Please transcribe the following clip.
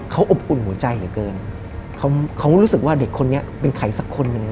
เขาอบอุ่นหัวใจเหลือเกินเขารู้สึกว่าเด็กคนนี้เป็นใครสักคนหนึ่ง